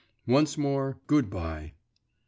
… Once more, good bye!